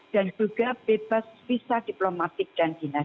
juga bebas visa diplomatik dan dinas